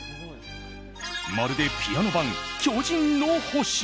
まるでピアノ版「巨人の星」。